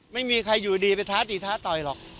ไม่มีใครอยู่ดีไปท้าตีท้าต่อยหรอก